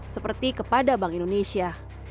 seperti kepada bank indonesia